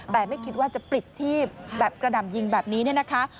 แต่ไม่คิดว่าจะปลิดชีพแบบกระหน่ำยิงแบบนี้เนี่ยนะคะ